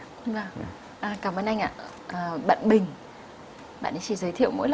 bạn ấy chỉ giới thiệu mỗi lần